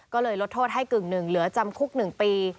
ก็เลยลดโทษให้กึ่งหนึ่งเหลือจำคุก๑ปี